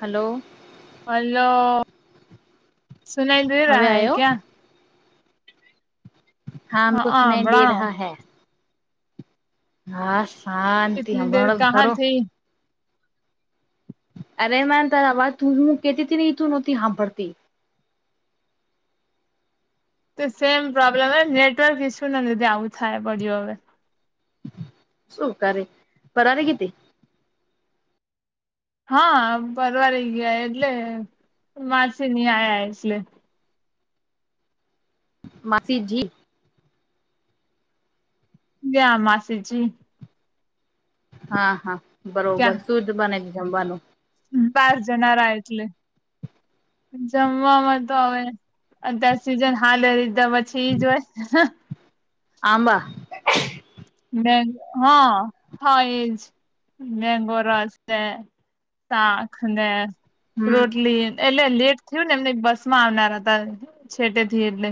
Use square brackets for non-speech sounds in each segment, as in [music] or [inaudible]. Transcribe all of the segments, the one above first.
Hello. Hello, સુનાઈ દઈ રહ હવે હૈ આયો ક્યા? હા આમક સુનાઈ દે રહા હૈ. હા શાંતિ હમણાં હણા ખરું. અરે માન તવા તું મું કેતી હતી ને તું નહોતી હાંભરતી. [inaudible] તો સેમ પ્રોબ્લેમ નેટવર્ક ઇસ્યૂ ના લીધી આવું થાય પડ્યું હવે. સુું કરે? રે પરવાઈગીતી કીધી. હા પરવારી ગિયા એટલે માછી ને આયા એટલે. માસીજી. ગ્યા માસીજી. હા હા બરોબર શું જ બને છે જમવાનું? બાર જના એટલે, જમવા માટે તો હવે, અત્યારે સિઝન હાલે રીધા પછી ઈ જ હોય. આંબા. હા હા એજ મેગો રસ છે. શાખ અને હમ રોટલી. એટલે લેટ થયું ને એમને બસ માં આવનાર હતા છેટે થી એટલે.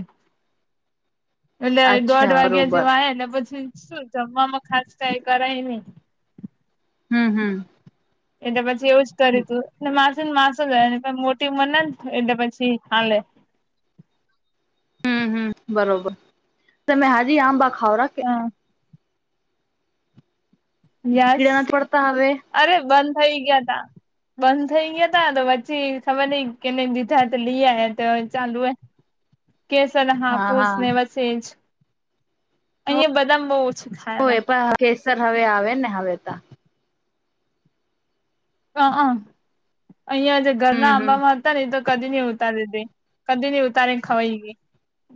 એટલે અચ્છા દોઢ વાગ્યા બરોબર જેવા હ, ને પ શું જમવામાં ખાસ કઈ, કરાય ની. હમ્મ, હમ્મ. એટલે પછી એવું જ કર્યું, તું મા માસ ગયા, મોટી ઉંમર ના એટલે પછી, ખાલેે. હમમ બરોબર, તમે હાજી આંબા ખાવરા કે? હા યસ, કીડા નથી પડતા હવે અરે બંધ થઇ, ગયા તા. બંધ થઇ ગયા, હતા તો પછી ખબર નઈ, કે દીધા તો લઈ આ તો ચાલુ હોય. [inaudible] કેસલ હા હાપુસ હા ને વસેજ, અહં બધામ બહુ ઓછું હો, ખાયલા એ પણ કેસર, હવે આવે ને હવે ત. હ, અહિયાં જે હમ ઘરના હમ આંબામાં હતા, નને તો કદી નહી, ઉતાર દે, કદી નહી ઉતાર ખવાઈ કે.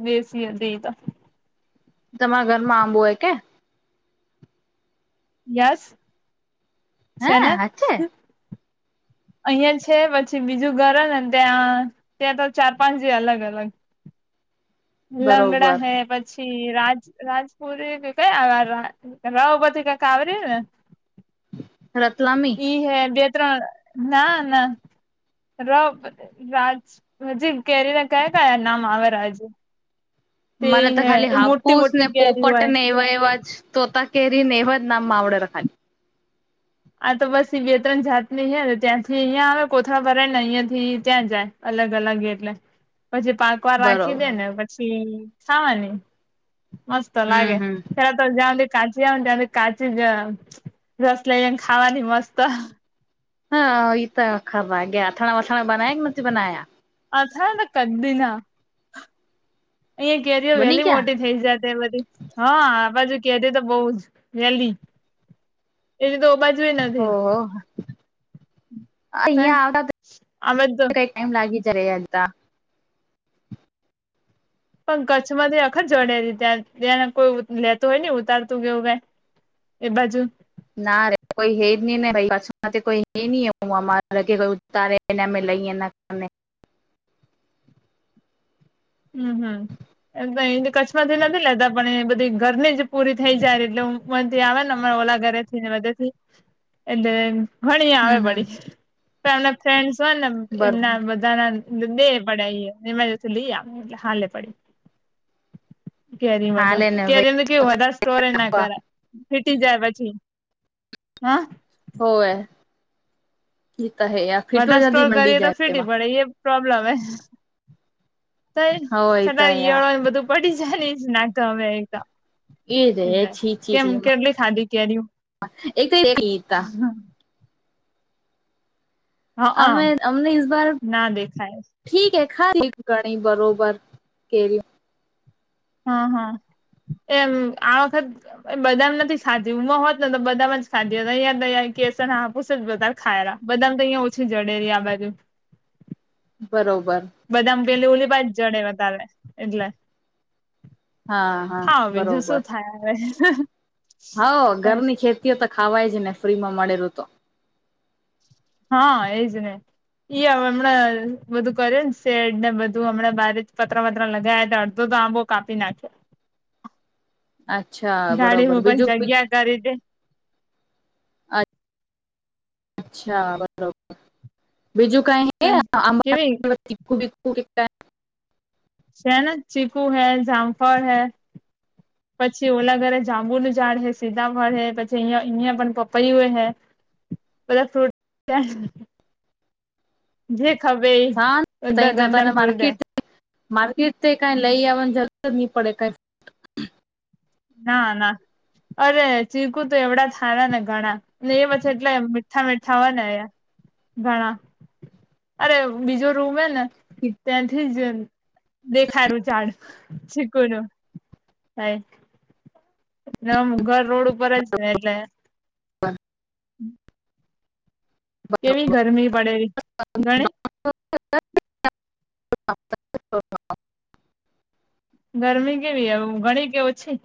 બેસીએ દઈતા. મા, બોય કે યસ. છેન. હ [inaudible] અહિયાં છે, પછી બીજું ઘર નેને ત્યાં, ત્યાં તો ચાર પાંચ જે અલગ અલગ. લંગડા બરોબર હૈ, પ છી, રાજપુરી કયા રહપથી, કક આવર્યું ને. રતલામી હીહાઈ, બે ત્રણ ના ના, ર રાજ, હજી કેરીને કયા, કયા નામ આવે હજુ. મને, તો ખાલી હાપુસ, ને કેરી હોય પોપટને એવા એવા જ તોતા કેરીને, એવા જ નામ આવડે ર ખાલી. આ તો બસ બે ત્રણ જાતની હે, ને ત્યાંથી અહિયાં આવે કોથળા ભરાયને અહિયાંથી ત્યાં જાય અલગ અલગ એટલે પછી, પાક વાર રાખી બરોબર દે ને પછી, ખાવાની. મસ્ત હમ લાગે, હમ ખે તો જા કાચી આવને, ત્યારે કાચી જ અ રસ લઈને ખાવાની મસ્ત. હા, એ તો ખરા ગયા, અથાણા વાથણા બનાયા કે નથી, બનાયા? અથાણાતો કદીના અહીયાં કેરીઓ બની વહેલી મોટી ગયા થઈ, જાય તો એ બધી હા, બાજુ કેરીઓ, તો બહુ જ વહેલી એવી તો ઓ બાજુય એય નથી. ઓહો અહિયાં આવતા કઈ, આ બાજુ તો ટાઈમ લાગી જ્યારે. [unintelligible] પણ કચ્છમાંથી આખત જડે હતી, ત્યાં ત્યાં કોઈ લેતો હોય, નઈ ઉતારતું કે એવું કાઈ એ બાજુ ના રે કોઈ, હે જ નઈ, ને પાછુ કોઈ હે નઈ હું, અમારે તારે ને આમે ને અહીંયા, ના અમે હમ્મ, હમ્મ. એમ તો અહી કચ્છમાંથી નથી, લેતા પણ અહીયાં બધી ઘરની જ પૂરી થઈ, જાય એટલે અમ હું, જે આવે ને ઓલા ઘરે છેને, બધેથી એટલે ઘણી આવે હમ હમ વળી પહી અલગ ફ્રેન્ડસ હોય, ને બરોબર એમના બધાના દે પડે ઈ એમાંથી, આવે એટલે હાલે પડી. કેરીમાં, તો હાલે ને કેરીમાં તો કેવું હોય, વધારે સ્ટોરેજ ના ભાઈ કરાય. ફીટી જાય પછી, હા. હોવે. તો હે યાર ફીટો વધાર જલ્દી સ્ટોર મંડી કરીએ, તો જાય ફીટી તેમાં પડે એ પ્રોબ્લેમ હે, તો તોય હોય તો સટા યાર ઈયળો ને બધું પડી. જ ઈજ નાતો મેં અહીં તો એ રે એટલે છી છી કેમ છી કેટલી ખાધી કેરીઓ [unintelligible] હ હ અમે અમને ઈસ બાર ના દેખાય ઠીક હે ખાલી ઘણી બરોબર કેરીઓ હ હા એમ આ વખત બદામ નથી ખાધી બહોત ને તો બદામ જ ખાધી હોત અહીયાં ને અહીયાં કેસર હાપુસ જ બધા ખાય રા બદામ તો અહિયાં ઓછી જડે રે આ બાજુ બરોબ બદામાં પેલી ઓલી પા જડે વધારે એટલે હા બીજું શું થાય હવે હા ઘરની ખેતીઓ તો ખાવાય જ ને ફ્રીમાં મળેલું તો હા એજ ને ઈ હવે હમણા બધું કર્યું ને શેડ ને બધું હમણાં બારી પતત્રા વતરા લગાવયા હતા અડધો આબો કાપી નાખ્યો [inaudible] અચ્છા ગાડી બરોબર મૂકવાની બીજું જગ્યા કરી દે અચ્છા બરોબર બીજું કાંઈ આબા કેવી પર તીખું તીખ [unintelligible] છે ને ચીકુ હે જામફળ હે પછી ઓલા ઘરે જાંબુનું ઝાડ હે સીતાફાળ હે પછી અહં અહિયાં પણ પપૈયું હે બધા ફ્રૂટ જે ખબે ઈ હા બધા તઈ ઘરના તો ફ્રૂટ હે માર્કેટ માર્કેટથી કાઈ લઈ આવાની જરૂર ની પડે કાઈ ના ના અરે ચીકુ તો એવડા હારા ને ઘણા ને એ પછી એટલે મીઠા મીઠા હોય ને એ ઘણા અરે બીજો રૂમ હેને ત્યાંથી જ દેખાયું ઝાડ ચીકુનું ખાય નામ ઘર રોડ ઉપર જ છે એટલે [unintelligible] [inaudible] કેવી ગરમી પડે ગણે [inaudible] ગરમી કેવી ઘણી કે ઓછી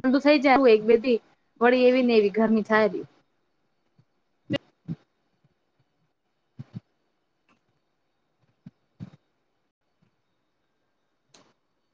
પણ તું થઈ જાય હું એક બેટી વળી એવી ને એવી ગરમી થાય જ ની [inaudible]